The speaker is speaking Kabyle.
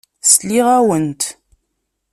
Sliɣ-awent.